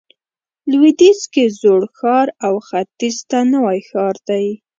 لویدیځ کې زوړ ښار او ختیځ ته نوی ښار دی.